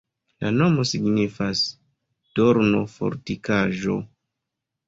La nomo signifas: dorno-fortikaĵo.